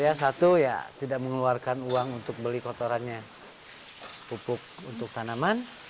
ya satu ya tidak mengeluarkan uang untuk beli kotorannya pupuk untuk tanaman